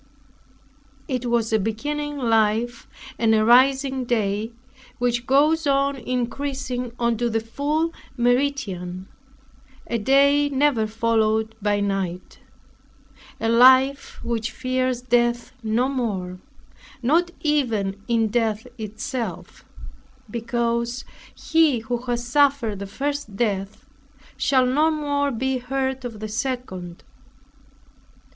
It was a beginning life and a rising day, which goes on increasing unto the full meridian; a day never followed by night; a life which fears death no more, not even in death itself; because he who has suffered the first death, shall no more be hurt of the second.